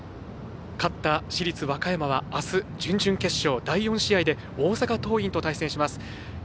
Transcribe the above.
勝った市立和歌山はあす準々決勝第４試合で大阪桐蔭と対戦します。